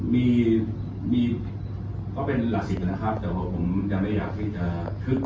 มีก็เป็นหลักสิทธิ์นะครับแต่ผมจะไม่อยากที่จะคึก